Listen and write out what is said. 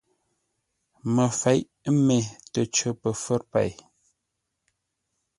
Məfeʼ mê təcər pə fə̌r pêi.